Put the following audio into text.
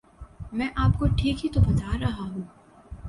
میں آپ کو ٹھیک ہی تو بتارہا ہوں